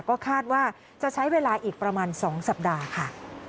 ก็คาดว่าจะใช้เวลาอีกประมาณ๒สัปดาห์ค่ะ